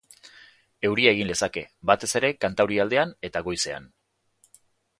Euria egin lezake, batez ere kantaurialdean eta goizean.